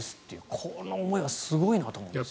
この思いはすごいなと思います。